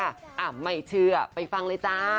อ่ะไม่เชื่อไปฟังเลยจ้า